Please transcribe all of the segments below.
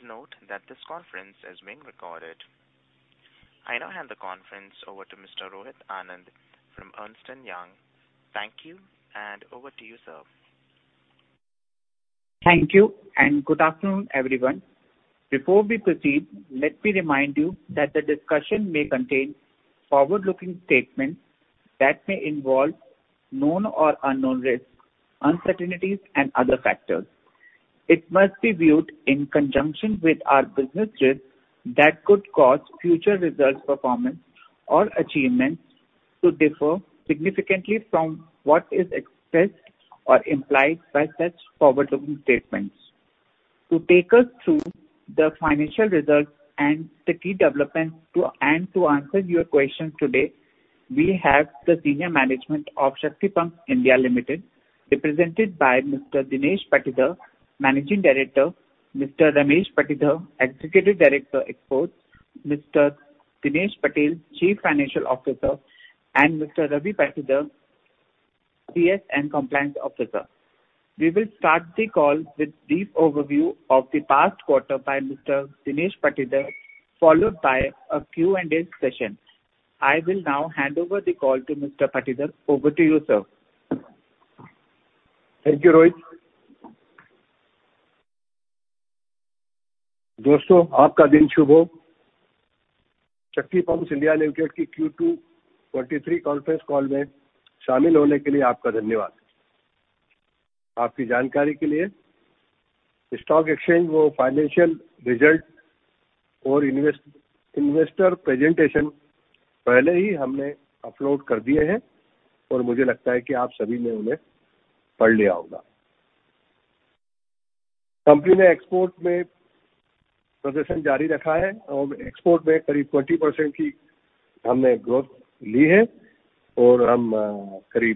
Please note that this conference is being recorded. I now have the conference over to Mr. Rohit Anand from Ernst and Young. Thank you and over to you, sir. Thank you and good afternoon, everyone. Before we proceed, let me remind you that the discussion may contain forward-looking statements that may involve known or unknown risks, uncertainties and other factors. It must be viewed in conjunction with our business risks that could cause future results, performance or achievements to differ significantly from what is expressed or implied by such forward-looking statements. To take us through the financial results and the key developments and to answer your questions today, we have the senior management of Shakti Pumps India Limited, represented by Mr. Dinesh Patidar, Managing Director, Mr. Ramesh Patidar, Executive Director Exports, Mr. Dinesh Patel, Chief Financial Officer and Mr. Ravi Patidar, CS and Compliance Officer. We will start the call with brief overview of the past quarter by Mr. Dinesh Patidar, followed by a Q&A session. I will now hand over the call to Mr. Patidar. Over to you, sir. Thank you, Rohit. दोस्तों, आपका दिन शुभ हो! Shakti Pumps India Limited की Q2, 23 conference call में शामिल होने के लिए आपका धन्यवाद। आपकी जानकारी के लिए स्टॉक एक्सचेंज और फाइनेंशियल रिजल्ट और इन्वेस्टर प्रेजेंटेशन पहले ही हमने अपलोड कर दिए हैं और मुझे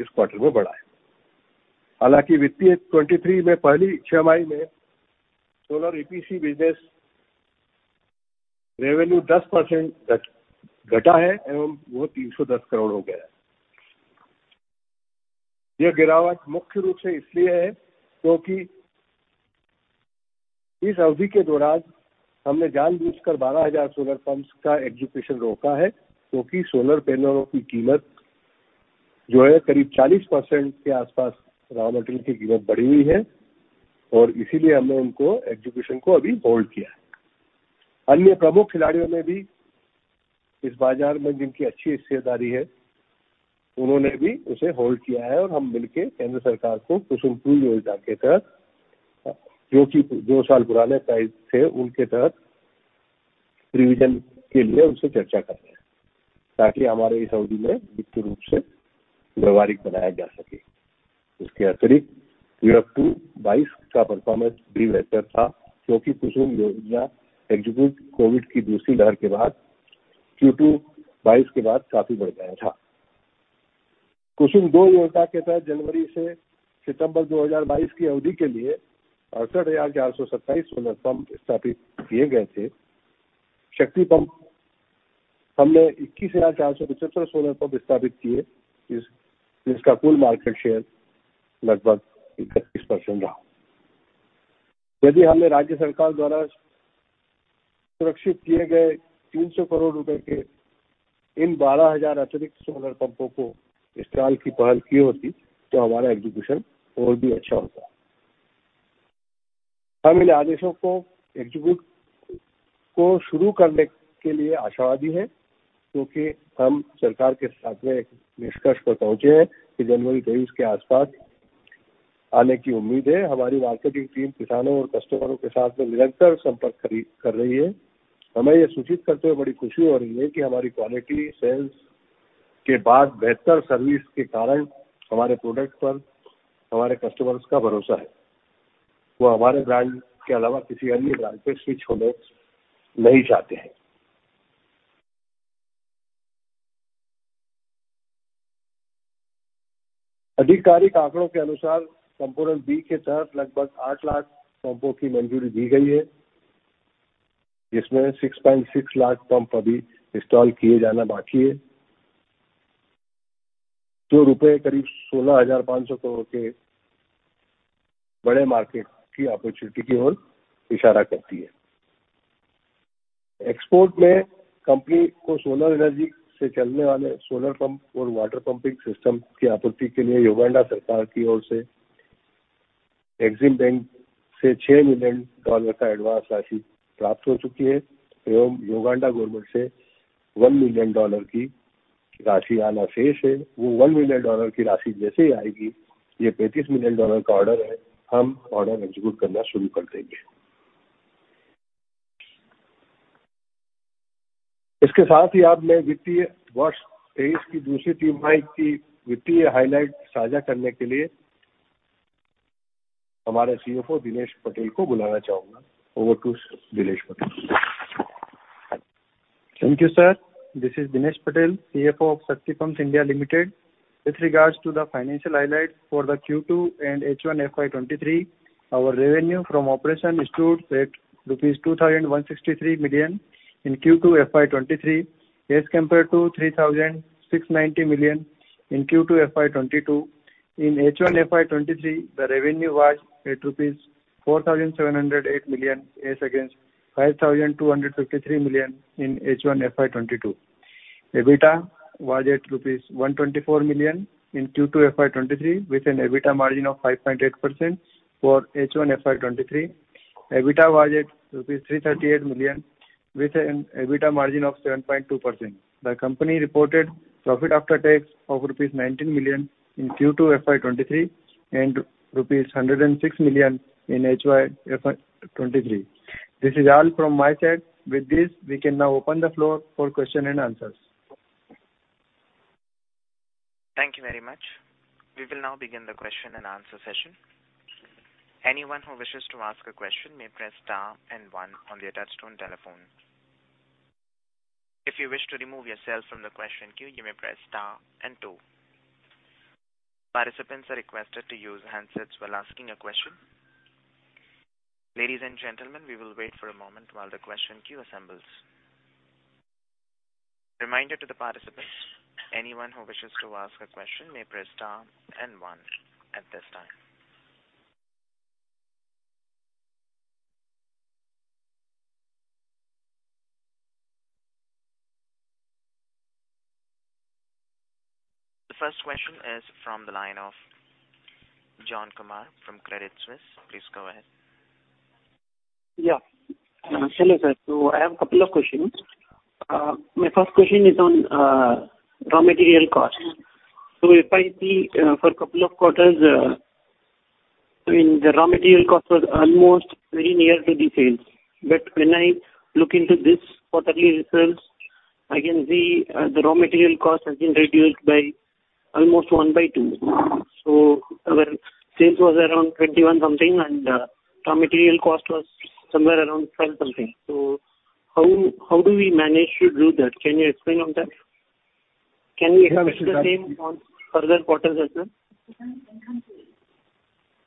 लगता है कि आप सभी ने उन्हें पढ़ लिया होगा। कंपनी ने एक्सपोर्ट में प्रोडक्शन जारी रखा है और एक्सपोर्ट में करीब 20% की हमने ग्रोथ ली है और हम करीब INR 10 करोड़ से हमारा एक्सपोर्ट इस क्वार्टर में बढ़ा है। हालांकि वित्तीय 23 में पहली छमाही में सोलर ईपीसी बिजनेस रेवेन्यू 10% घटा है एवं वह INR 310 करोड़ हो गया है। यह गिरावट मुख्य रूप से इसलिए है, क्योंकि इस अवधि के दौरान हमने जानबूझकर 12,000 सोलर पंप्स का एक्जीक्यूशन रोका है, क्योंकि सोलर पैनलों की कीमत जो है, करीब 40% के आसपास रॉ मटेरियल की कीमत बढ़ी हुई है और इसीलिए हमने उनको एक्जीक्यूशन को अभी होल्ड किया है। अन्य प्रमुख खिलाड़ियों ने भी इस बाजार में, जिनकी अच्छी हिस्सेदारी है, उन्होंने भी उसे होल्ड किया है और हम मिलकर केंद्र सरकार को कुसुम 2 योजना के तहत जो कि दो साल पुराने से उनके तहत रिविजन के लिए उनसे चर्चा कर रहे हैं, ताकि हमारे इस अवधि में वित्त रूप से व्यवहारिक बनाया जा सके। इसके अतिरिक्त, ईयर टू 22 का परफॉर्मेंस भी बेहतर था, क्योंकि कुसुम योजना एक्जीक्यूट कोविड की दूसरी लहर के बाद Q2 22 के बाद काफी बढ़ गया था। कुसुम 2 योजना के तहत जनवरी से सितंबर 2022 की अवधि के लिए 68,427 सोलर पंप स्थापित किए गए थे। शक्ति पंप हमने 21,475 सोलर पंप स्थापित किए, जिसका कुल मार्केट शेयर लगभग 31% रहा। यदि हमने राज्य सरकार द्वारा सुरक्षित किए गए INR 300 करोड़ रुपए के इन 12,000 अतिरिक्त सोलर पंपों को इंस्टॉल की पहल की होती, तो हमारा एक्जीक्यूशन और भी अच्छा होता। हम इन आदेशों को एक्जीक्यूट को शुरू करने के लिए आशावादी हैं, क्योंकि हम सरकार के साथ में एक निष्कर्ष पर पहुंचे हैं कि जनवरी 23 के आसपास आने की उम्मीद है। हमारी मार्केटिंग टीम किसानों और कस्टमरों के साथ में निरंतर संपर्क खरी कर रही है। हमें यह सूचित करते हुए बड़ी खुशी हो रही है कि हमारी क्वालिटी सेल्स के बाद बेहतर सर्विस के कारण हमारे प्रोडक्ट पर हमारे कस्टमर्स का भरोसा है। वह हमारे ब्रांड के अलावा किसी अन्य ब्रांड पर स्विच होना नहीं चाहते हैं। आधिकारिक आंकड़ों के अनुसार, संपूर्ण बी के तहत लगभग 8 लाख पंपों की मंजूरी दी गई है, जिसमें 6.6 लाख पंप अभी इंस्टॉल किए जाना बाकी है। जो रुपए करीब INR 16,500 करोड़ के बड़े मार्केट की अपॉर्चुनिटी की ओर इशारा करती है। एक्सपोर्ट में कंपनी को सोलर एनर्जी से चलने वाले सोलर पंप और वाटर पंपिंग सिस्टम की आपूर्ति के लिए युगांडा सरकार की ओर से एग्जिम बैंक से $6 million का एडवांस राशि प्राप्त हो चुकी है एवं युगांडा गवर्नमेंट से $1 million की राशि आना शेष है। वह $1 million की राशि जैसे ही आएगी, यह $35 million का ऑर्डर है, हम ऑर्डर एक्जीक्यूट करना शुरू कर देंगे। इसके साथ ही अब मैं वित्तीय वर्ष 23 की दूसरी तिमाही की वित्तीय हाईलाइट साझा करने के लिए हमारे CFO दिनेश पटेल को बुलाना चाहूंगा। Over to Dinesh Patel. Thank you sir. This is Dinesh Patel, CFO of Shakti Pumps India Limited. With regards to the financial highlights for the Q2 and H1 FY2023, our revenue from operation stood at ₹2,163 million in Q2 FY2023, as compared to ₹3,690 million. In Q2 FY 2022, in H1 FY 2023, the revenue was at ₹4,708 million, as against ₹5,253 million in H1 FY 2022. EBITDA was at ₹124 million in Q2 FY 2023, with an EBITDA margin of 5.8%. For H1 FY 2023, EBITDA was at ₹338 million, with an EBITDA margin of 7.2%. The company reported profit after tax of ₹19 million in Q2 FY 2023 and ₹106 million in H1 FY 2023. This is all from my side. With this, we can now open the floor for question and answers. Thank you very much. We will now begin the question and answer session. Anyone who wishes to ask a question may press star and one on their touchtone telephone. If you wish to remove yourself from the question queue, you may press star and two. Participants are requested to use handsets while asking a question. Ladies and gentlemen, we will wait for a moment while the question queue assembles. Reminder to the participants, anyone who wishes to ask a question may press star and one at this time. The first question is from the line of John Kumar from Credit Suisse. Please go ahead. Hello, sir. I have a couple of questions. My first question is on raw material cost. If I see for a couple of quarters, I mean, the raw material cost was almost very near to the sales, but when I look into this quarterly results, I can see the raw material cost has been reduced by almost one by two. When sales was around ₹21 crore, and raw material cost was somewhere around ₹12 crore. How do we manage to do that? Can you explain on that? Can we expect the same on further quarters as well?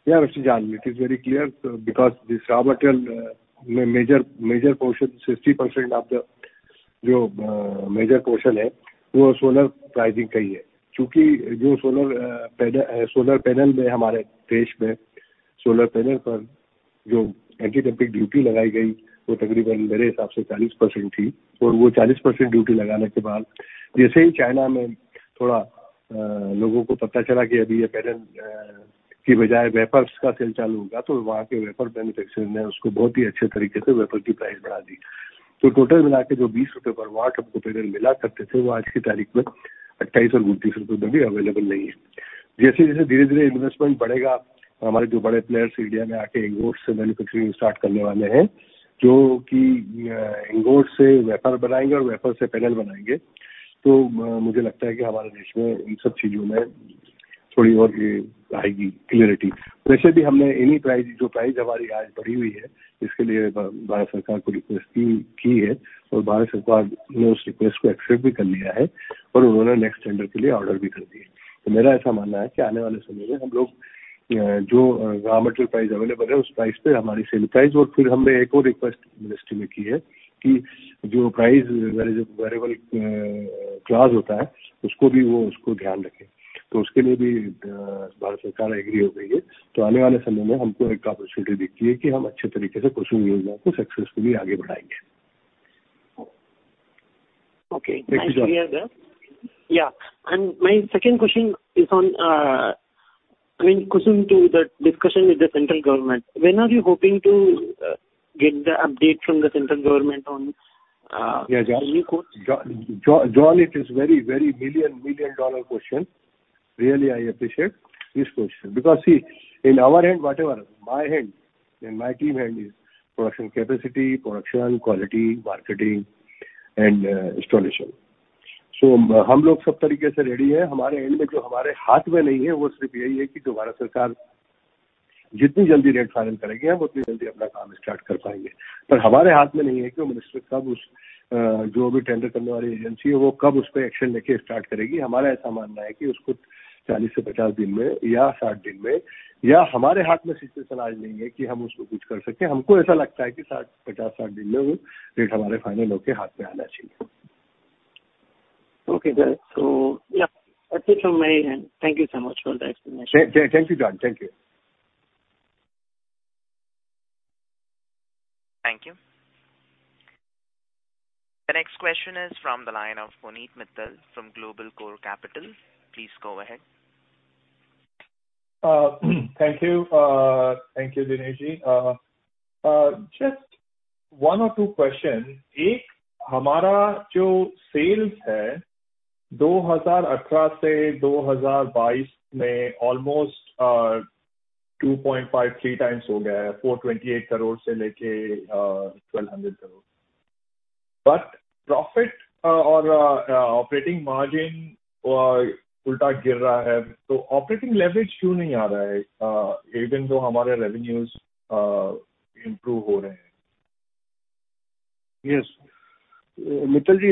Yeah, Mr. John, it is very clear, because this raw material, major, major portion, 60% of the major portion, solar pricing, solar panel, solar panel, solar panel duty, 40% duty, China wafers, wafer manufacturer, wafer price. Total INR 20 available investment, players, India manufacturing, start, ingots, wafer, wafer, panel, clarity, any price, available price, sale price, request, ministry, price, variable, class, Indian government. So the government agreed. So opportunity, successfully. Yeah, thank you. And my second question is on, I mean, with respect to the discussion with the central government. When are you hoping to get the update from the central government on... John, it is very, very million, million dollar question. Really, I appreciate this question, because see, in our end, whatever, my end and my team hand is production capacity, production, quality, marketing, and installation. So ready end, government start. Minister agency action start, 40 to 50 days, or 60 days, or situation, we can do something. 50, 60 days, rate, final hand. Okay, good. Yeah, that's it from my end. Thank you so much for the explanation. Thank you, John. Thank you. Thank you. The next question is from the line of Puneet Mittal from Global Core Capital. Please go ahead. Thank you, thank you, Dineshji. Just one or two questions. Ek, hamara jo sales hai, 2018 se 2022 mein almost two point five, three times ho gaya hai, 428 crore se leke 1,200 crore. But profit aur operating margin ulta gir raha hai. To operating leverage kyu nahi aa raha hai? Even though hamare revenues improve ho rahe hai. Yes. Mittalji,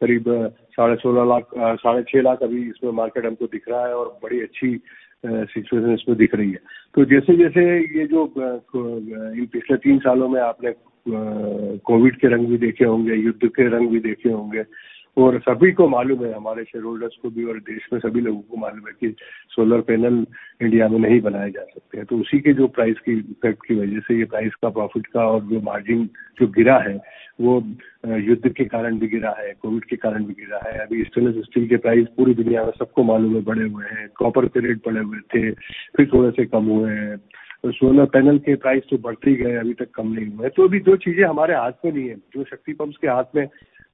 isme aisa hai ki hum logo ne jaise hi isme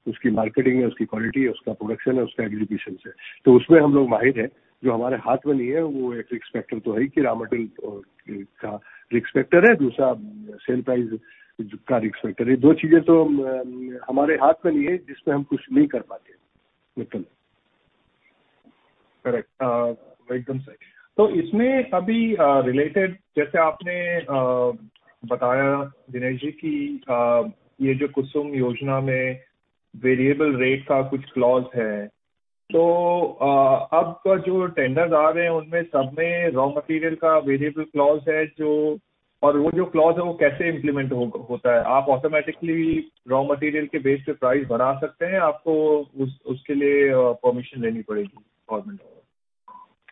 kaam start kiya hai, hum ye jo Kusum scheme hum dekh rahe hai ki apne aap mein ek bahut badi scheme hai aur...... करीब ₹16.5 लाख, ₹6.5 लाख अभी इसमें market हमको दिख रहा है और बड़ी अच्छी सिचुएशन इसमें दिख रही है। जैसे जैसे यह जो पिछले तीन सालों में आपने कोविड के रंग भी देखे होंगे, युद्ध के रंग भी देखे होंगे और सभी को मालूम है, हमारे शेयरहोल्डर को भी और देश में सभी लोगों को मालूम है कि सोलर पैनल इंडिया में नहीं बनाए जा सकते हैं। उसी के जो प्राइस की इफेक्ट की वजह से यह प्राइस का प्रॉफिट का और जो मार्जिन जो गिरा है, वह युद्ध के कारण भी गिरा है। कोविड के कारण भी गिरा है। अभी स्टील के प्राइस पूरी दुनिया में सबको मालूम है, बढ़े हुए हैं। कॉपर के रेट बढ़े हुए थे, फिर थोड़े से कम हुए हैं। सोलर पैनल के प्राइस तो बढ़ते ही गए, अभी तक कम नहीं हुए तो अभी दो चीजें हमारे हाथ में नहीं है, जो शक्ति पंप्स के हाथ में उसकी मार्केटिंग है, उसकी क्वालिटी है, उसका प्रोडक्शन है, उसका एग्जीक्यूशन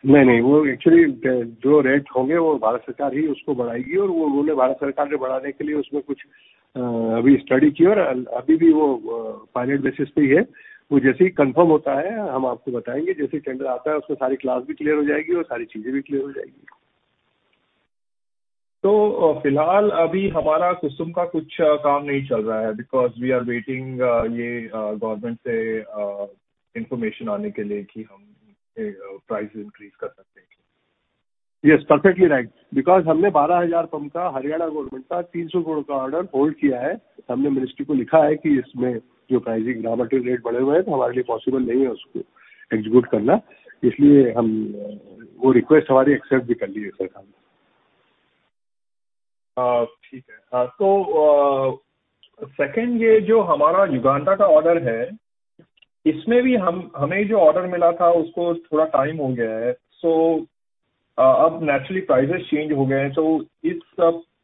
है। उसमें हम लोग माहिर हैं, जो हमारे हाथ में नहीं है। वह एक एक्सपेक्टेड तो है ही कि रॉ मटेरियल का एक्सपेक्टेड है। दूसरा सेल प्राइस का एक्सपेक्टेड है। दो चीजें तो हमारे हाथ में नहीं है, जिसमें हम कुछ नहीं कर पाते। बिल्कुल। करेक्ट, एकदम सही। तो इसमें अभी रिलेटेड जैसे आपने बताया दिनेश जी, कि यह जो कुसुम योजना में वेरिएबल रेट का कुछ क्लॉज है तो अब जो टेंडर आ रहे हैं, उनमें सब में रॉ मटेरियल का वेरिएबल क्लॉज है और वो जो क्लॉज है वो कैसे इम्प्लीमेंट होता है। आप ऑटोमेटिकली रॉ मटेरियल के बेस पर प्राइस बढ़ा सकते हैं। आपको उसके लिए परमिशन लेनी पड़ेगी गवर्नमेंट से। नहीं नहीं, वो एक्चुअली जो रेट होंगे वो भारत सरकार ही उसको बढ़ाएगी और वो उन्होंने भारत सरकार ने बढ़ाने के लिए उसमें कुछ अभी स्टडी की और अभी भी वो फाइनल बेसिस पर ही है। वो जैसे ही कन्फर्म होता है, हम आपको बताएंगे। जैसे टेंडर आता है, उसमें सारी क्लास भी क्लियर हो जाएगी और सारी चीजें भी क्लियर हो जाएगी। तो फिलहाल अभी हमारा कुसुम का कुछ काम नहीं चल रहा है। Because we are waiting. यह government से information आने के लिए कि हम price increase कर सकते हैं। यह परफेक्टली राइट है, क्योंकि हमने बारह हज़ार पंप का हरियाणा गवर्नमेंट का ₹300 करोड़ का ऑर्डर होल्ड किया है। हमने मिनिस्टर को लिखा है कि इसमें जो प्राइसिंग रेट बढ़े हुए हैं, तो हमारे लिए पॉसिबल नहीं है उसको एग्जीक्यूट करना। इसलिए हमारी वो रिक्वेस्ट एक्सेप्ट भी कर ली गई है सर। ठीक है तो सेकंड ये जो हमारा युगांडा का ऑर्डर है, इसमें भी हमें जो ऑर्डर मिला था, उसको थोड़ा टाइम हो गया है। अब नैचुरली प्राइस चेंज हो गए हैं। तो इस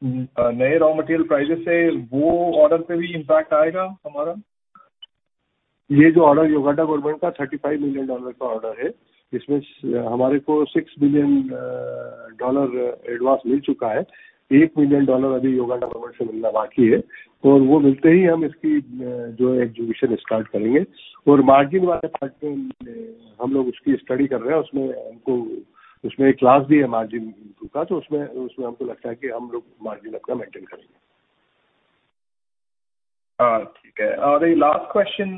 नए रॉ मटेरियल प्राइस से वो ऑर्डर पर भी इंपैक्ट आएगा हमारा। यह जो ऑर्डर युगांडा गवर्नमेंट का $35 million का ऑर्डर है, इसमें हमारे को $6 million एडवांस मिल चुका है। $1 million अभी युगांडा गवर्नमेंट से मिलना बाकी है और वो मिलते ही हम इसकी जो एग्जीक्यूशन स्टार्ट करेंगे और मार्जिन वाले पार्ट में हम लोग उसकी स्टडी कर रहे हैं। उसमें हमको एक क्लॉज भी है मार्जिन का, तो उसमें हमको लगता है कि हम लोग मार्जिन अपना मेंटेन करेंगे। हां, ठीक है और लास्ट क्वेश्चन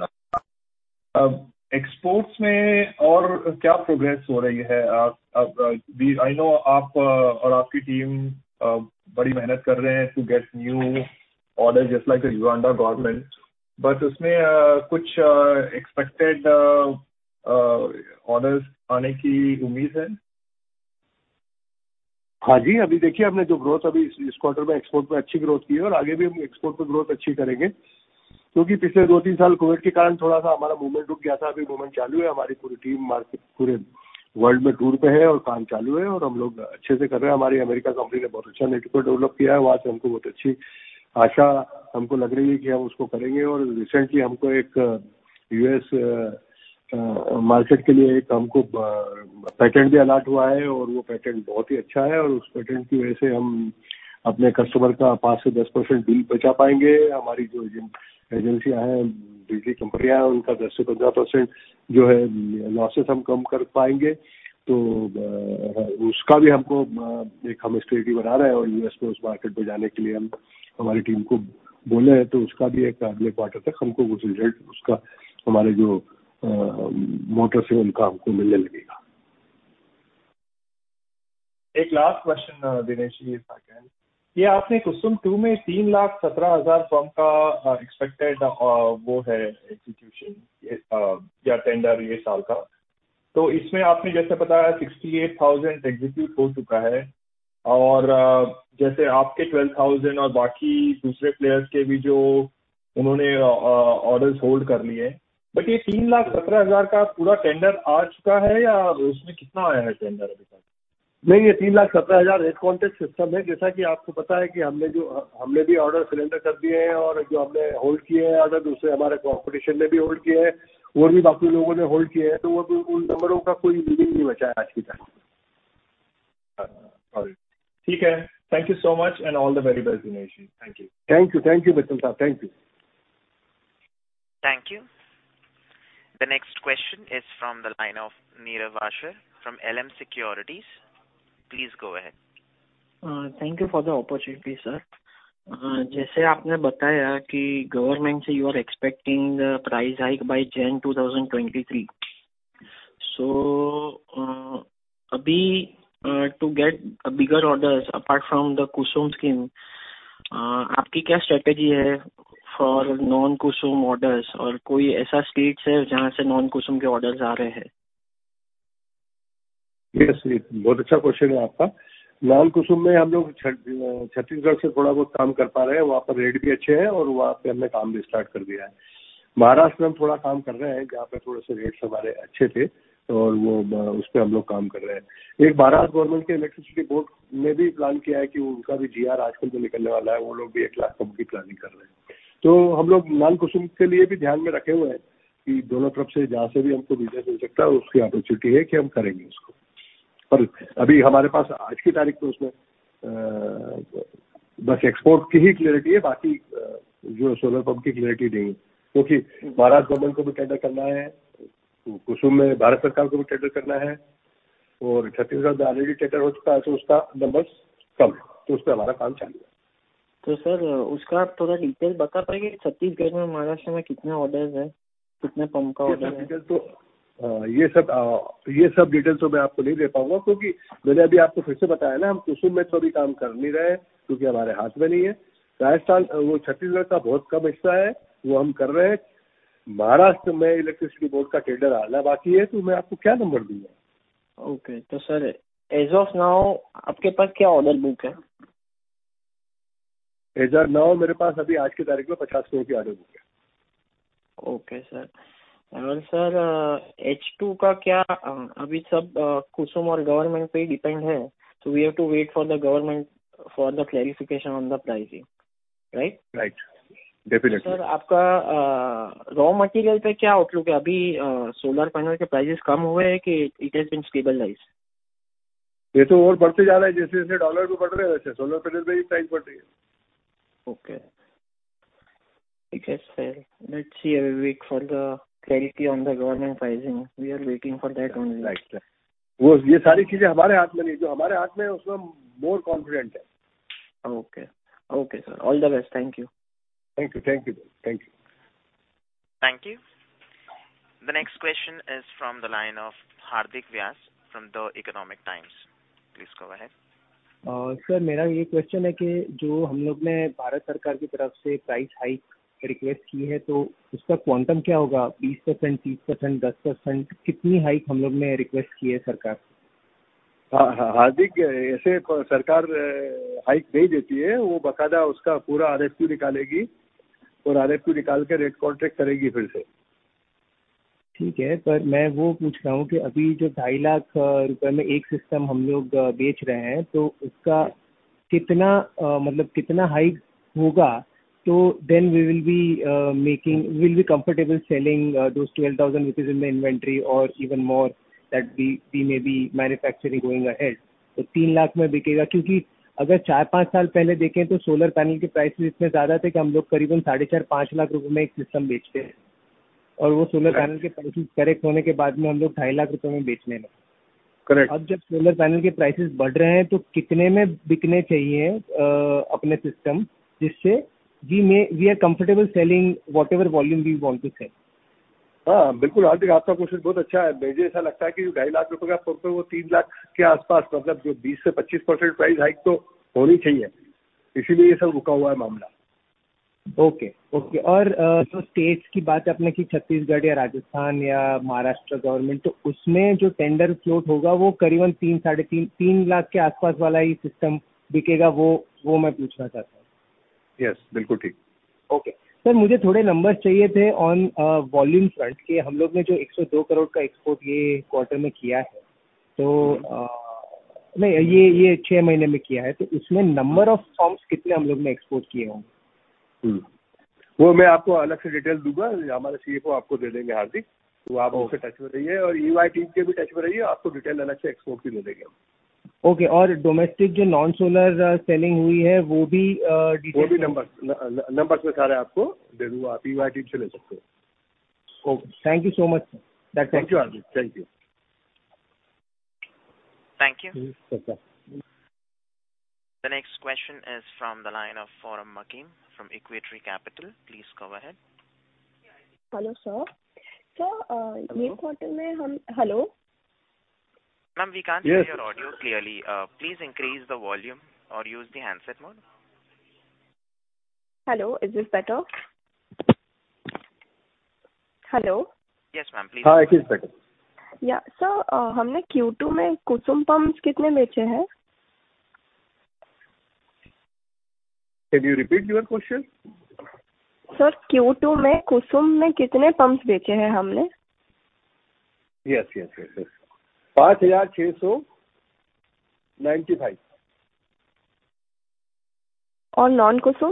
अब एक्सपोर्ट्स में और क्या प्रोग्रेस हो रही है? आई नो आप और आपकी टीम बड़ी मेहनत कर रहे हैं to get new order, just like Uganda government. But उसमें कुछ एक्सपेक्टेड ऑर्डर्स आने की उम्मीद है। हां जी, अभी देखिए, हमने जो ग्रोथ अभी इस क्वार्टर में एक्सपोर्ट में अच्छी ग्रोथ की है और आगे भी हम एक्सपोर्ट में ग्रोथ अच्छी करेंगे, क्योंकि पिछले दो तीन साल कोविड के कारण थोड़ा सा हमारा मूवमेंट रुक गया था। अभी मूवमेंट चालू है। हमारी पूरी टीम मार्केट पूरे वर्ल्ड में टूर पर है और काम चालू है और हम लोग अच्छे से कर रहे हैं। हमारी अमेरिका कंपनी ने बहुत अच्छा नेटवर्क डेवलप किया है। वहां से हमको बहुत अच्छी आशा हमको लग रही है कि हम उसको करेंगे और रिसेंटली हमको एक U.S. मार्केट के लिए एक हमको पेटेंट भी अलॉट हुआ है और वह पेटेंट बहुत ही अच्छा है और उस पेटेंट की वजह से हम अपने कस्टमर का 5% से 10% बिल बचा पाएंगे। हमारी जो एजेंसी है, डिजिटल कंपनियां हैं, उनका 10% से 15% जो है, लॉस हम कम कर पाएंगे तो उसका भी हमको एक हम स्टडी बना रहे हैं और U.S. में उस मार्केट में जाने के लिए हम हमारी टीम को बोले हैं तो उसका भी एक अगले क्वार्टर तक हमको वो रिजल्ट उसका हमारे जो मोटर से उनका हमको मिलना लगेगा। एक लास्ट क्वेश्चन दिनेश जी, ये आपने कुसुम टू में तीन लाख सत्रह हज़ार पंप का एक्सपेक्टेड वो है एग्जीक्यूशन या टेंडर इस साल का। तो इसमें आपने जैसे बताया सिक्सटी एट थाउज़ेंड एग्जीक्यूट हो चुका है और जैसे आपके ट्वेल्व थाउज़ेंड और बाकी दूसरे प्लेयर्स के भी जो उन्होंने ऑर्डर्स होल्ड कर लिए हैं। बट ये तीन लाख सत्रह हज़ार का पूरा टेंडर आ चुका है या उसमें कितना आया है टेंडर अभी तक? नहीं, ये ₹3,17,000 कॉन्टेस्ट सिस्टम है। जैसा कि आपको पता है कि हमने जो ऑर्डर सरेंडर कर दिए हैं और जो हमने होल्ड किए हैं और दूसरे हमारे कंपटीशन ने भी होल्ड किए हैं, और भी बाकी लोगों ने होल्ड किए हैं, तो वो भी उन नंबरों का कोई मीनिंग नहीं बचा है आज की तारीख में। ठीक है। Thank you so much and all the very best Dinesh ji. Thank you. Thank you, thank you, Vimal Sahab. Thank you. Thank you. The next question is from the line of Neerav Asher from LKM Securities. Please go ahead. Thank you for the opportunity sir. जैसे आपने बताया कि government से you are expecting price hike by January 2023. So अभी to get bigger orders apart from the KUSUM scheme, आपकी क्या strategy है for non-KUSUM orders? और कोई ऐसा state है जहां से non-KUSUM के orders आ रहे हैं? हाँ, बहुत अच्छा क्वेश्चन है आपका। नॉन कुसुम में हम लोग छत्तीसगढ़ से थोड़ा बहुत काम कर पा रहे हैं। वहां पर रेट भी अच्छे हैं और वहां से हमने काम भी स्टार्ट कर दिया है। महाराष्ट्र में हम थोड़ा काम कर रहे हैं, जहां पर थोड़े से रेट हमारे अच्छे थे और वो उसमें हम लोग काम कर रहे हैं। एक महाराष्ट्र गवर्नमेंट के इलेक्ट्रिसिटी बोर्ड ने भी प्लान किया है कि उनका भी जीआर आजकल में निकलने वाला है। वो लोग भी एक लाख पंप की प्लानिंग कर रहे हैं। तो हम लोग नॉन कुसुम के लिए भी ध्यान में रखे हुए हैं कि दोनों तरफ से जहां से भी हमको बिजली मिल सकता है, उसकी अपॉर्चुनिटी है कि हम करेंगे उसको और अभी हमारे पास आज की तारीख में उसमें। बस एक्सपोर्ट की ही क्लैरिटी है। बाकी जो सोलर पंप की क्लैरिटी नहीं है, क्योंकि महाराष्ट्र गवर्नमेंट को भी टेंडर करना है। कुसुम में भारत सरकार को भी टेंडर करना है और छत्तीसगढ़ का ऑलरेडी टेंडर हो चुका है, तो उसका नंबर कम है, तो उसमें हमारा काम चालू है। तो सर, उसका थोड़ा डिटेल बता पाएंगे। छत्तीसगढ़ में महाराष्ट्र में कितने ऑर्डर्स हैं, कितने पंप का ऑर्डर है। तो ये सब डिटेल तो मैं आपको नहीं दे पाऊंगा, क्योंकि मैंने अभी आपको फिर से बताया ना। हम कुसुम में तो अभी काम कर नहीं रहे हैं, क्योंकि हमारे हाथ में नहीं है। छत्तीसगढ़ का बहुत कम हिस्सा है। वो हम कर रहे हैं। महाराष्ट्र में इलेक्ट्रिसिटी बोर्ड का टेंडर आना बाकी है तो मैं आपको क्या नंबर दूं। ओके तो सर, एज ऑफ नाउ आपके पास क्या ऑर्डर बुक है? As of now, मेरे पास अभी आज की तारीख में ₹50,000 के order book है। Okay sir aur sir, H2 ka kya? Abhi sab kuchh government par depend hai. To we have to wait for the government for the clarification on the pricing right. Right, definitely. Sir, आपका raw material पर क्या outlook है? अभी solar panel के price कम हुए हैं कि इट इज़ स्टेबल प्राइस। यह तो और बढ़ता जा रहा है। जैसे जैसे डॉलर में बढ़ रहे हैं, सोलर पैनल की प्राइस बढ़ रही है। Okay, let's see, wait for the clarity on the government pricing. We are waiting for that. Right, ये सारी चीजें हमारे हाथ में नहीं, जो हमारे हाथ में है, उसमें मोर कॉन्फिडेंट है। Okay okay sir, all the best! Thank you. Thank you, thank you, thank you. Thank you. The next question is from the line of Hardik Vyas from The Economic Times. Please go ahead. Sir, मेरा यह question है कि जो हम लोग ने भारत सरकार की तरफ से प्राइस हाइक रिक्वेस्ट की है तो उसका क्वांटिटी क्या होगा? 20%, 30%, 10% कितनी हाइक हम लोग ने रिक्वेस्ट की है सरकार से। हार्दिक ऐसे सरकार हाइक नहीं देती है। वह बाकायदा उसका पूरा RFP निकालेगी और RFP निकाल कर रेट कॉन्ट्रैक्ट करेगी फिर से। ठीक है, पर मैं वो पूछ रहा हूं कि अभी जो ₹2.5 लाख में एक सिस्टम हम लोग बेच रहे हैं तो उसका कितना मतलब कितना हाइक होगा। तो then we will be making will be comfortable selling ₹2,000 in the inventory और even more that we may be manufacturing going ahead. तो ₹3 लाख में बिकेगा, क्योंकि अगर चार पांच साल पहले देखें तो सोलर पैनल के प्राइस इतने ज्यादा थे कि हम लोग करीबन साढ़े चार पांच लाख रुपए में एक सिस्टम बेचते थे और वो सोलर पैनल के प्राइस करेक्ट होने के बाद में हम लोग ₹2.5 लाख में बेचने लगे। करेक्ट। अब जब solar panel के price बढ़ रहे हैं तो कितने में बिकने चाहिए अपने system, जिससे we may we are comfortable selling whatever volume we want to sell. हां, बिल्कुल। हार्दिक, आपका क्वेश्चन बहुत अच्छा है। मुझे ऐसा लगता है कि ₹2.5 लाख से ₹3 लाख के आसपास, मतलब जो 20% से 25% प्राइस हाइक तो होनी चाहिए। इसीलिए ये सब रुका हुआ है मामला। ओके, ओके और जो स्टेट्स की बात है अपनी छत्तीसगढ़ या राजस्थान या महाराष्ट्र गवर्नमेंट तो उसमें जो टेंडर फ्लोट होगा, वह करीबन ₹3 लाख, ₹3.5 लाख के आसपास वाला ही सिस्टम बिकेगा। वो वो मैं पूछना चाहता हूं। हां, बिल्कुल ठीक। ओके सर, मुझे थोड़े नंबर्स चाहिए थे ऑन वॉल्यूम फ्रंट के। हम लोगों ने जो ₹102 करोड़ का एक्सपोर्ट यह क्वार्टर में किया है तो नहीं, यह छह महीने में किया है तो इसमें नंबर ऑफ फॉर्म्स कितने हम लोगों ने एक्सपोर्ट किए हैं? वो मैं आपको अलग से डिटेल दूंगा। हमारा CFO आपको दे देंगे हार्दिक, तो आप उनसे टच में रहिए और टीम के भी टच में रहिए। आपको डिटेल अलग से एक्सपोर्ट की दे देंगे हम। ओके और डोमेस्टिक जो नॉन सोलर सेलिंग हुई है, वो भी डिटेल। वो भी नंबर्स नंबर्स में सारे आपको दे दूंगा। टीम से ले सकते हैं। Thank you so much. Thank you, thank you. Thank you. The next question is from the line of Poonam Makkim from Equity Capital. Please go ahead. Hello sir! Sir, इस quarter में हम hello. Ma'am, we cannot audio clearly. Please increase the volume and use the handset mode. Hello, is this better. Hello. Yes ma'am हां, यह बेहतर है। Sir, हमने Q2 में कुसुम pumps कितने बेचे हैं? Can you repeat your question. Sir, Q2 में कुसुम में कितने पंप्स बेचे हैं हमने। Yes, yes ₹5,695. और नॉन कुसुम।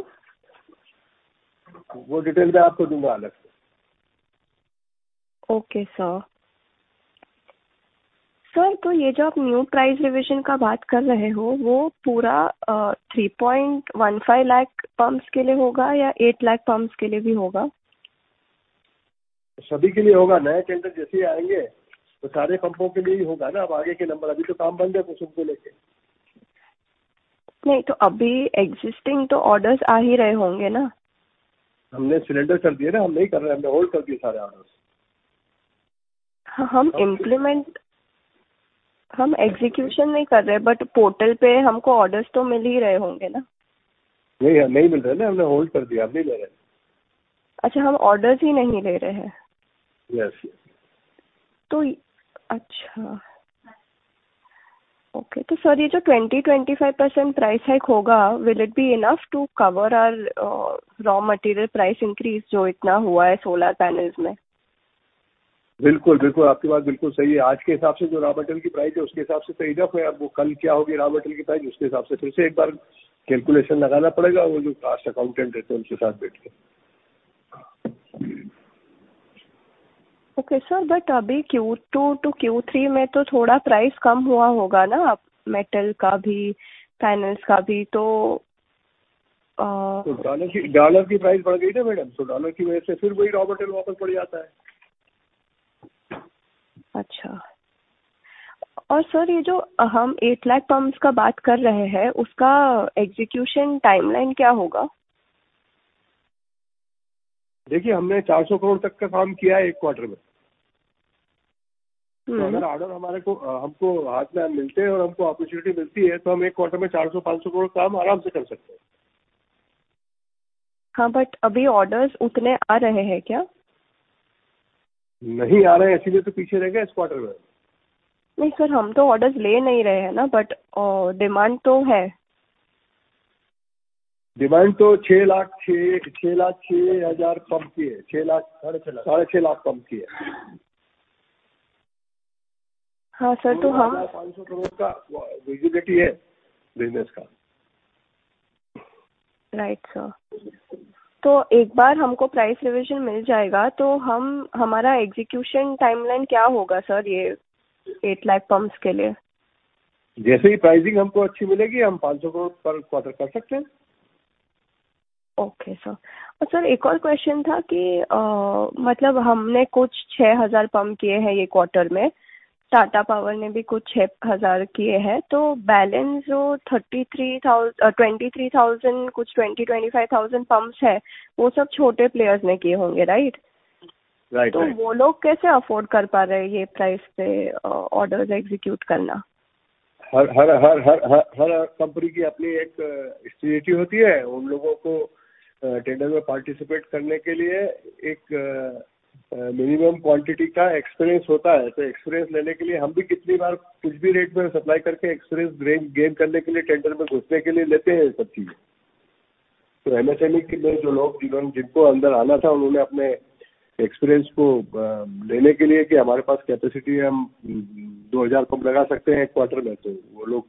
वो डिटेल मैं आपको दूंगा अलग से। Okay sir. सर तो यह जो आप न्यू प्राइस रिविजन का बात कर रहे हो, वह पूरा ₹3.15 लाख पंप्स के लिए होगा या ₹8 लाख पंप्स के लिए भी होगा। सभी के लिए होगा। नए टेंडर जैसे ही आएंगे तो सारे पंपों के लिए ही होगा ना। आगे के नंबर अभी तो काम बंद है कुसुम को लेकर। नहीं तो अभी existing तो orders आ ही रहे होंगे ना। हमने सिलेंडर कर दिया है ना, हम नहीं कर रहे। हमने होल्ड कर दिया सारे ऑर्डर्स। हम इम्प्लीमेंट हम एक्जीक्यूशन नहीं कर रहे, बट पोर्टल पर हमको ऑर्डर्स तो मिल ही रहे होंगे ना? नहीं नहीं मिल रहे ना। हमने होल्ड कर दिया, अब नहीं ले रहे। अच्छा, हम ऑर्डर्स ही नहीं ले रहे हैं। यस। तो अच्छा! ओके तो सर, ये जो 2025% प्राइस हाइक होगा। Will it be enough to cover और रॉ मटेरियल प्राइस increase जो इतना हुआ है सोलर पैनल्स में। बिल्कुल बिल्कुल आपकी बात बिल्कुल सही है। आज के हिसाब से जो रॉ मटेरियल की प्राइस है, उसके हिसाब से तो इनफ है। अब वो कल क्या होगी, रॉ मटेरियल की प्राइस उसके हिसाब से फिर से एक बार कैलकुलेशन लगाना पड़ेगा। वो जो कॉस्ट अकाउंटेंट है, तो उनके साथ बैठ के। ओके सर, बट अभी Q2 टू Q3 में तो थोड़ा प्राइस कम हुआ होगा ना, मेटल का भी, पैनल्स का भी तो। डॉलर की प्राइस बढ़ गई ना मैडम तो डॉलर की वजह से फिर वही रॉ मटेरियल वापस बढ़ जाता है। अच्छा और सर, ये जो हम ₹8 लाख पंप्स का बात कर रहे हैं, उसका एग्जीक्यूशन टाइमलाइन क्या होगा? देखिए, हमने ₹400 करोड़ तक का काम किया है, एक क्वार्टर में। ऑर्डर हमारे को हमको हाथ में मिलते हैं और हमको अपॉर्चुनिटी मिलती है तो हम एक क्वार्टर में ₹400, ₹500 करोड़ काम आराम से कर सकते हैं। हां, लेकिन अभी ऑर्डर्स उतने आ रहे हैं क्या? नहीं आ रहे, इसीलिए तो पीछे रह गए इस क्वार्टर में। नहीं सर, हम तो ऑर्डर्स ले नहीं रहे हैं ना, बट डिमांड तो है। डिमांड तो ₹6 लाख 6, ₹6 लाख 6 हज़ार पंप की है। ₹6 लाख साढ़े ₹6 लाख साढ़े ₹6 लाख पंप की है। हां सर तो हां। ₹500 करोड़ का विजिबिलिटी है बिजनेस का। राइट सर, तो एक बार हमको प्राइस रिविजन मिल जाएगा तो हमारा एक्जीक्यूशन टाइमलाइन क्या होगा? सर, ये आठ लाख पंप्स के लिए। जैसे ही प्राइसिंग हमको अच्छी मिलेगी, हम ₹500 करोड़ पर क्वार्टर कर सकते हैं। Okay sir. सर, एक और क्वेश्चन था कि मतलब हमने कुछ 6,000 पंप किए हैं, ये क्वार्टर में टाटा पावर ने भी कुछ 6,000 किए हैं तो बैलेंस जो 33,000, 23,000 कुछ 25,000 पंप्स है, वो सब छोटे प्लेयर्स ने किए होंगे, राइट? राइट राइट तो वो लोग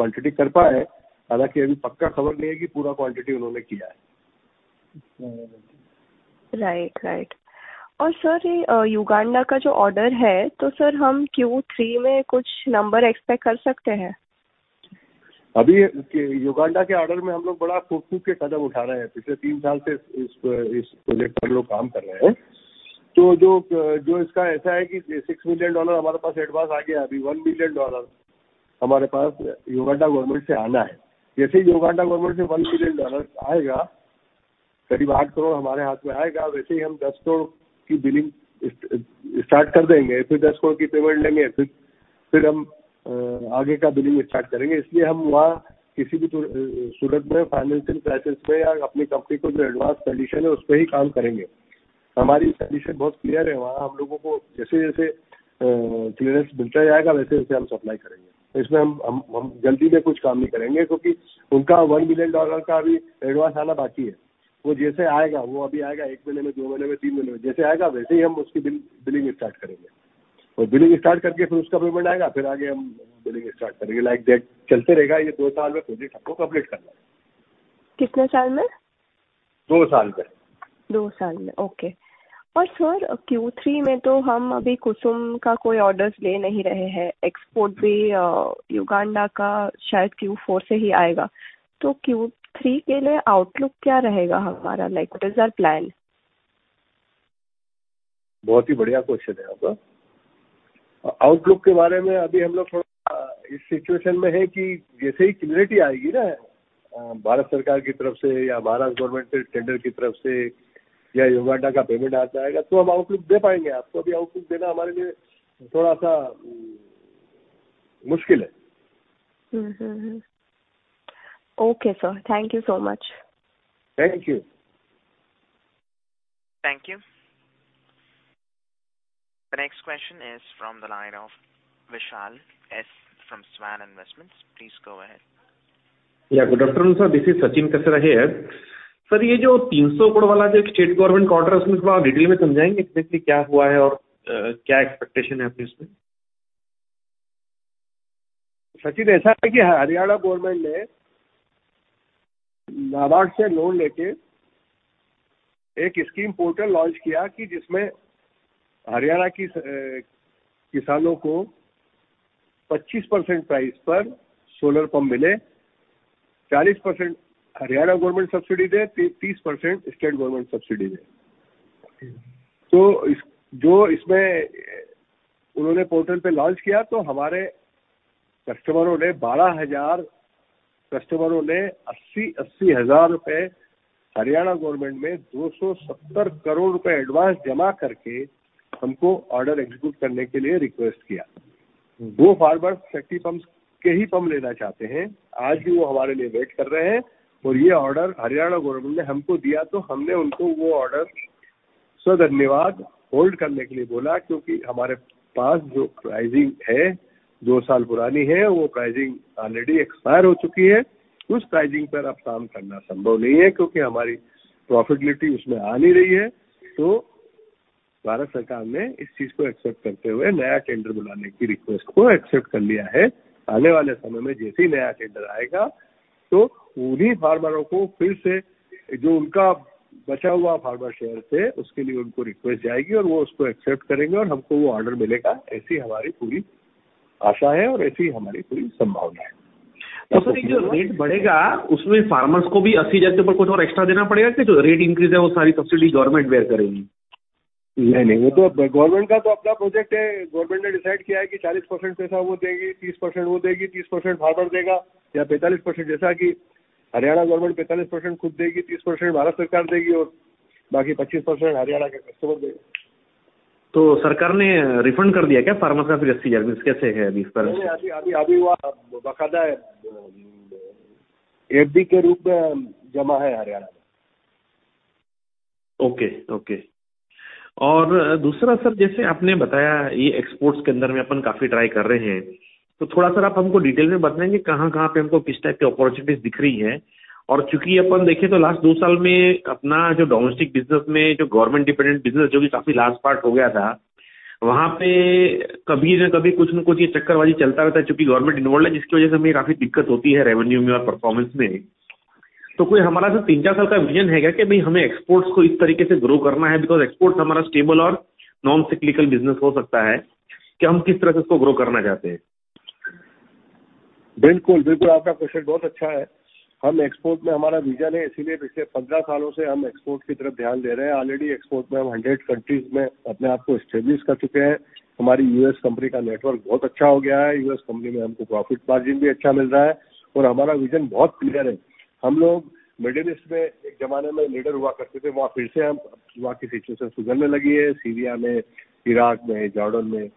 कैसे afford कर पा रहे हैं, यह price पे orders execute करना। हर कंपनी की अपनी एक स्ट्रैटेजी होती है। उन लोगों को टेंडर में पार्टिसिपेट करने के लिए एक मिनिमम क्वांटिटी का एक्सपीरियंस होना होता है। तो एक्सपीरियंस लेने के लिए हम भी कितनी बार कुछ भी रेट में सप्लाई करके एक्सपीरियंस गेन करने के लिए, टेंडर में घुसने के लिए लेते हैं, ये सब चीजें। तो MSME के में जो लोग जिन्होंने जिनको अंदर आना था, उन्होंने अपने एक्सपीरियंस को लेने के लिए कि हमारे पास कैपेसिटी है, हम 2,000 पंप लगा सकते हैं एक क्वार्टर में, तो वो लोग उस रेट पर थोड़ा बहुत क्वांटिटी कर पाए हैं। हालांकि अभी पक्का खबर नहीं है कि पूरा क्वांटिटी उन्होंने किया है। Right right और sir ये Uganda का जो order है तो sir, हम Q3 में कुछ number expect कर सकते हैं। अभी युगांडा के ऑर्डर में हम लोग बड़ा फूंक-फूंक के कदम उठा रहे हैं। पिछले तीन साल से इस प्रोजेक्ट पर लोग काम कर रहे हैं। तो जो इसका ऐसा है कि $6 million हमारे पास एडवांस आ गया है। अभी $1 million हमारे पास युगांडा गवर्नमेंट से आना है। जैसे ही युगांडा गवर्नमेंट से $1 million आएगा, करीब ₹8 करोड़ हमारे हाथ में आएगा। वैसे ही हम ₹10 करोड़ की बिलिंग स्टार्ट कर देंगे। फिर ₹10 करोड़ की पेमेंट लेंगे। फिर हम आगे का बिलिंग स्टार्ट करेंगे। इसलिए हम वहां किसी भी सूरत में फाइनेंशियल क्राइसिस में या अपनी कंपनी को जो एडवांस कंडीशन है, उस पर ही काम करेंगे। हमारी कंडीशन बहुत क्लियर है। वहां हम लोगों को जैसे जैसे क्लीयरेंस मिलता जाएगा, वैसे वैसे हम सप्लाई करेंगे। इसमें हम जल्दी में कुछ काम नहीं करेंगे, क्योंकि उनका $1 million का अभी एडवांस आना बाकी है। वो जैसे आएगा, वो अभी आएगा। एक महीने में, दो महीने में, तीन महीने में जैसे आएगा, वैसे ही हम उसकी बिलिंग स्टार्ट करेंगे और बिलिंग स्टार्ट करके फिर उसका पेमेंट आएगा। फिर आगे हम बिलिंग स्टार्ट करेंगे। लाइक दैट चलते रहेगा। ये दो साल में प्रोजेक्ट हमको कंप्लीट करना है। कितने साल में। दो साल में। दो साल में, ओके और सर Q3 में तो हम अभी कुसुम का कोई ऑर्डर्स ले नहीं रहे हैं। एक्सपोर्ट भी युगांडा का शायद Q4 से ही आएगा तो Q3 के लिए आउटलुक क्या रहेगा? हमारा like what is our plan? बहुत ही बढ़िया क्वेश्चन है आपका। आउटलुक के बारे में अभी हम लोग थोड़ा इस सिचुएशन में हैं कि जैसे ही क्लीयरिटी आएगी ना, भारत सरकार की तरफ से या भारत गवर्नमेंट टेंडर की तरफ से या युगांडा का पेमेंट आ जाएगा, तो हम आउटलुक दे पाएंगे। आपको अभी आउटलुक देना हमारे लिए थोड़ा सा मुश्किल है। Okay sir, thank you so much. Thank you. Thank you. Next question is from the line of Vishal S from Swan Investments. Please go ahead. Yeah good afternoon sir, this is Sachin Kasra here. Sir, ये जो ₹300 करोड़ वाला जो state government का order है, उसमें थोड़ा detail में समझाएंगे कि क्या हुआ है और क्या एक्सपेक्टेशन है अपनी उसमें? सचिन ऐसा है कि हरियाणा गवर्नमेंट ने नाबार्ड से लोन लेकर एक स्कीम पोर्टल लॉन्च किया कि जिसमें हरियाणा के किसानों को 25% प्राइस पर सोलर पंप मिले। 40% हरियाणा गवर्नमेंट सब्सिडी दे, 30% स्टेट गवर्नमेंट सब्सिडी दे। तो जो इसमें उन्होंने पोर्टल पर लॉन्च किया तो हमारे कस्टमरों ने 12,000 कस्टमरों ने ₹80,000-₹80,000 हरियाणा गवर्नमेंट में ₹270 करोड़ एडवांस जमा करके हमको ऑर्डर एग्जीक्यूट करने के लिए रिक्वेस्ट किया। वो फार्मर्स शक्ति पंप के ही पंप लेना चाहते हैं। आज भी वो हमारे लिए वेट कर रहे हैं और यह ऑर्डर हरियाणा गवर्नमेंट ने हमको दिया तो हमने उनको वो ऑर्डर होल्ड करने के लिए बोला, क्योंकि हमारे पास जो प्राइसिंग है, दो साल पुरानी है। वह प्राइसिंग ऑलरेडी एक्सपायर हो चुकी है। उस प्राइसिंग पर अब काम करना संभव नहीं है, क्योंकि हमारी प्रॉफिटेबिलिटी उसमें आ नहीं रही है। तो भारत सरकार ने इस चीज को एक्सेप्ट करते हुए नया टेंडर बुलाने की रिक्वेस्ट को एक्सेप्ट कर लिया है। आने वाले समय में जैसे ही नया टेंडर आएगा तो उन्हीं फार्मरों को फिर से जो उनका बचा हुआ फार्मर शेयर है, उसके लिए उनको रिक्वेस्ट जाएगी और वह उसको एक्सेप्ट करेंगे और हमको वो ऑर्डर मिलेगा, ऐसी हमारी पूरी आशा है और ऐसी हमारी पूरी संभावना है। रेट बढ़ेगा, उसमें फार्मर्स को भी ₹80,000 के ऊपर कुछ और एक्स्ट्रा देना पड़ेगा या जो रेट इंक्रीज है, वो सारी फैसिलिटी गवर्नमेंट बेयर करेगी। नहीं नहीं, वो तो गवर्नमेंट का तो अपना प्रोजेक्ट है। गवर्नमेंट ने डिसाइड किया है कि 40% पैसा वो देगी, 30% वो देगी, 30% फार्मर देगा या 45%। जैसा कि हरियाणा गवर्नमेंट 45% खुद देगी, 30% भारत सरकार देगी और बाकी 25% हरियाणा के कस्टमर देंगे। तो सरकार ने रिफंड कर दिया क्या किसानों का? फिर कैसे है अभी इस पर? अभी अभी वह बकायदा FD के रूप में जमा है हरियाणा में। ओके ओके और दूसरा सर, जैसे आपने बताया, ये एक्सपोर्ट्स के अंदर में अपन काफी ट्राई कर रहे हैं तो थोड़ा सा आप हमको डिटेल में बताएंगे, कहां कहां पर हमको किस टाइप के ऑपॉर्च्युनिटीज दिख रही हैं और क्योंकि अपन देखें तो लास्ट दो साल में अपना जो डोमेस्टिक बिजनेस में जो गवर्नमेंट डिपेंडेंट बिजनेस जो कि काफी लार्ज पार्ट हो गया था, वहां पे कभी ना कभी कुछ ना कुछ चक्करबाजी चलता रहता है, क्योंकि गवर्नमेंट इन्वॉल्व है, जिसकी वजह से हमें काफी दिक्कत होती है रेवेन्यू में और परफॉर्मेंस में तो कोई हमारा तीन चार साल का विजन है क्या कि हमें एक्सपोर्ट्स को इस तरीके से ग्रो करना है, बिकॉज़ एक्सपोर्ट्स हमारा स्टेबल और नॉन साइक्लिकल बिजनेस हो सकता है कि हम किस तरह से इसको ग्रो करना चाहते हैं। बिल्कुल बिल्कुल आपका क्वेश्चन बहुत अच्छा है। हम एक्सपोर्ट में हमारा विजन है। इसलिए पिछले पंद्रह सालों से हम एक्सपोर्ट की तरफ ध्यान दे रहे हैं। ऑलरेडी एक्सपोर्ट में हम हंड्रेड कंट्रीज में अपने आप को एस्टेब्लिश कर चुके हैं। हमारी यूएस कंपनी का नेटवर्क बहुत अच्छा हो गया है। यूएस कंपनी में हमको प्रॉफिट मार्जिन भी अच्छा मिल रहा है और हमारा विजन बहुत क्लियर है। हम लोग मिडिल ईस्ट में एक जमाने में लीडर हुआ करते थे। वहां फिर से हम वहां की सिचुएशन सुधरने लगी है। सीरिया में, इराक में, जॉर्डन में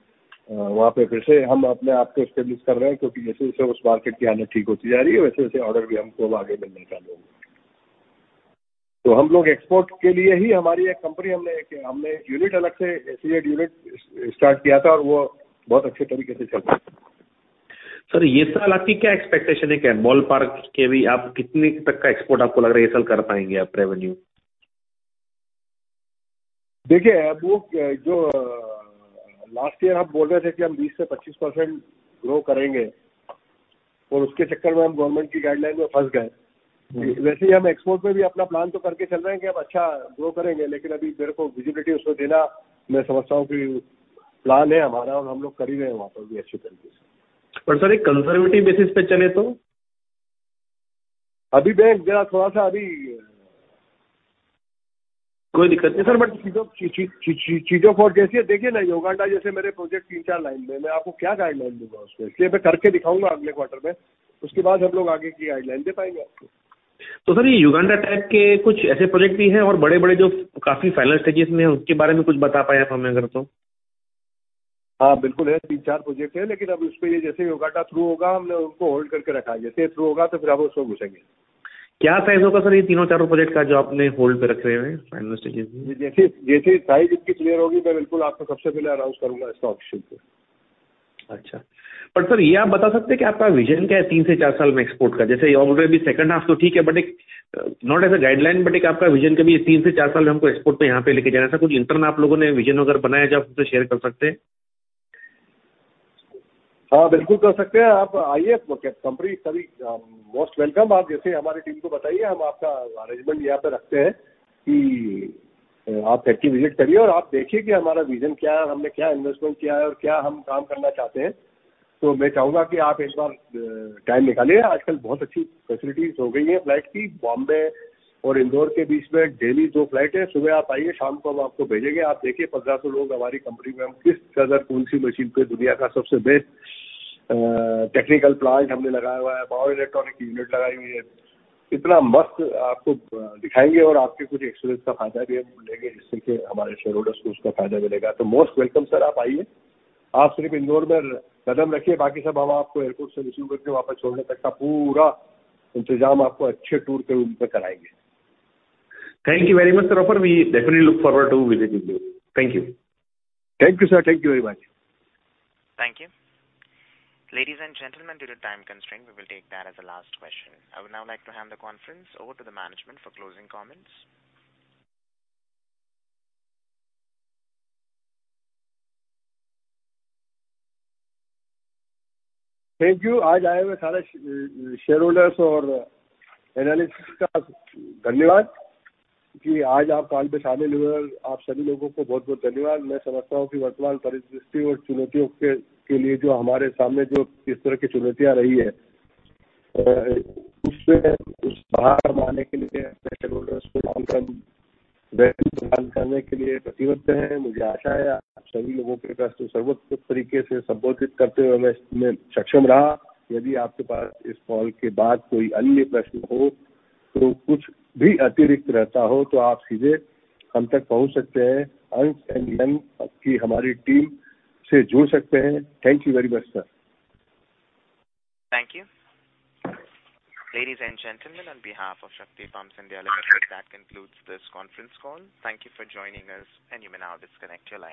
वहां पर फिर से हम अपने आप को एस्टेब्लिश कर रहे हैं, क्योंकि जैसे जैसे उस मार्केट की हालत ठीक होती जा रही है, वैसे वैसे ऑर्डर भी हमको और आगे मिलने चालू होंगे। हम लोग एक्सपोर्ट के लिए ही हमारी एक कंपनी, हमने एक यूनिट अलग से यूनिट स्टार्ट किया था और वह बहुत अच्छे तरीके से चल रही है। सर, यह साल आपकी क्या expectation है? Ballpark के भी आप कितने तक का export आपको लग रहा है, साल कर पाएंगे आप revenue। देखिए, वो जो लास्ट ईयर हम बोल रहे थे कि हम 20% से 25% ग्रो करेंगे और उसके चक्कर में हम गवर्नमेंट की गाइडलाइन में फंस गए। वैसे ही हम एक्सपोर्ट पर भी अपना प्लान तो करके चल रहे हैं कि हम अच्छा ग्रो करेंगे, लेकिन अभी मेरे को विजिबिलिटी उसमें देना। मैं समझता हूं कि प्लान है हमारा और हम लोग कर ही रहे हैं वहां पर भी अच्छे तरीके से। Sir, एक conservative basis पर चलें तो। अभी थोड़ा सा अभी। कोई दिक्कत नहीं। जैसे देखिए ना, युगांडा जैसे मेरे प्रोजेक्ट तीन चार लाइन में हैं। मैं आपको क्या गाइडलाइन दूंगा, उसमें मैं करके दिखाऊंगा। अगले क्वार्टर में उसके बाद हम लोग आगे की गाइडलाइन दे पाएंगे आपको। तो सर, ये युगांडा टाइप के कुछ ऐसे प्रोजेक्ट भी हैं और बड़े बड़े जो काफी फाइनल स्टेज में हैं, उसके बारे में कुछ बता पाएं हम अगर तो। हां, बिल्कुल है। तीन चार प्रोजेक्ट हैं, लेकिन अब जैसे ही युगांडा through होगा, हमने उनको hold करके रखा है। जैसे ही through होगा तो फिर हम उसमें घुसेंगे। क्या साइज होगा? सर, ये तीनों चारों प्रोजेक्ट का जो आपने होल्ड पर रखे हुए हैं, फाइनल स्टेज में। जैसे जैसे टाइम इनकी क्लियर होगी, मैं बिल्कुल आपको सबसे पहले अनाउंस करूंगा स्टॉक मार्केट को। अच्छा, पर सर, यह आप बता सकते हैं कि आपका विजन क्या है। तीन से चार साल में एक्सपोर्ट का जैसे आप बोल रहे हैं, सेकंड हाफ तो ठीक है, but not a guideline. But आपका विजन कभी तीन से चार साल में हमको एक्सपोर्ट में यहां पे लेकर जाना है। कुछ इंटरनल आप लोगों ने विजन अगर बनाया है, जो आप शेयर कर सकते हैं। हां, बिल्कुल कर सकते हैं। आप आइए कंपनी, सभी मोस्ट वेलकम। आप जैसे हमारी टीम को बताइए, हम आपका अरेंजमेंट यहां पर रखते हैं कि आप विजिट करिए और आप देखिए कि हमारा विजन क्या है, हमने क्या इन्वेस्टमेंट किया है और क्या हम काम करना चाहते हैं। मैं चाहूंगा कि आप इस बार टाइम निकालिए। आजकल बहुत अच्छी फैसिलिटी हो गई है फ्लाइट की। बॉम्बे और इंदौर के बीच में डेली दो फ्लाइट है। सुबह आप आइए, शाम को हम आपको भेजेंगे। आप देखिए, 1,500 लोग हमारी कंपनी में हम किस तरह कौन सी मशीन पे दुनिया का सबसे बेस्ट टेक्निकल प्लांट हमने लगाया हुआ है। पावर इलेक्ट्रॉनिक यूनिट लगाई हुई है, इतना मस्त आपको दिखाएंगे और आपके कुछ एक्सपीरियंस का फायदा भी लेंगे, जिससे कि हमारे शेयरहोल्डर को उसका फायदा मिलेगा। मोस्ट वेलकम सर, आप आइए, आप सिर्फ इंदौर में कदम रखिए, बाकी सब हम आपको एयरपोर्ट से रिसीव करके वापस छोड़ने तक का पूरा इंतजाम आपको अच्छे टूर के रूप में कराएंगे। Thank you very much! We definitely look forward to visit you. Thank you. Thank you sir. Thank you very much. Thank you ladies and gentlemen. Time constraint, we will take the last question. I would like to have the conference over to the management for closing comments. Thank you. आज आए हुए सारे shareholder और analyst का धन्यवाद कि आज आप कॉल में शामिल हुए। आप सभी लोगों को बहुत बहुत धन्यवाद। मैं समझता हूं कि वर्तमान परिदृश्य और चुनौतियों के लिए जो हमारे सामने जो इस तरह की चुनौतियां रही है, उसमें बाहर आने के लिए अपने शेयरहोल्डर को हम वैल्यू प्रदान करने के लिए प्रतिबद्ध हैं। मुझे आशा है, आप सभी लोगों के प्रश्न सर्वोत्तम तरीके से संबोधित करते हुए मैं सक्षम रहा। यदि आपके पास इस कॉल के बाद कोई अन्य प्रश्न हो, तो कुछ भी अतिरिक्त रहता हो तो आप सीधे हम तक पहुंच सकते हैं। एंड की हमारी टीम से जुड़ सकते हैं। Thank you very much sir! Thank you, ladies and gentlemen, on behalf of Shakti Farms Limited. That concludes this conference call. Thank you for joining and you can disconnect your line.